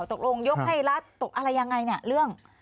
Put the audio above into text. ตกลงยกให้รัฐตกอะไรยังไงเนี่ยเรื่อง